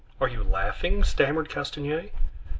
are they laughing?" stammered Castanier.